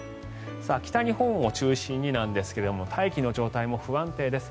北日本を中心になんですが大気の状態が不安定です。